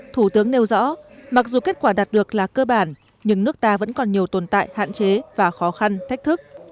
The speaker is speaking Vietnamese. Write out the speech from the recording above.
thủ tướng nêu rõ mặc dù kết quả đạt được là cơ bản nhưng nước ta vẫn còn nhiều tồn tại hạn chế và khó khăn thách thức